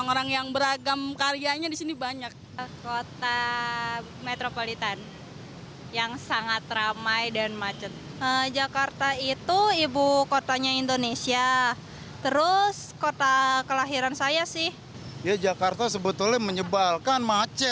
monas pancoran bundaran hi